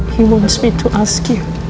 dia mau saya tanya